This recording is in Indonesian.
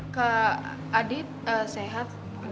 kek adit sehat